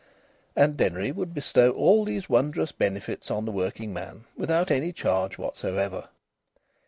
And Denry would bestow all these wondrous benefits on the working man without any charge whatever.